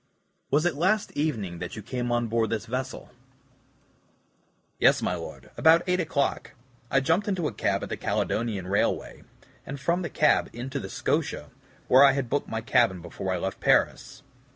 "Was it last evening that you came on board this vessel?" "Yes, my Lord, about 8 o'clock. I jumped into a cab at the Caledonian Railway, and from the cab into the SCOTIA, where I had booked my cabin before I left Paris.